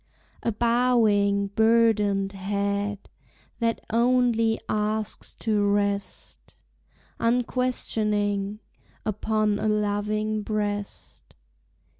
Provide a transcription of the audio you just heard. A bowing, burdened head That only asks to rest, Unquestioning, upon A loving breast.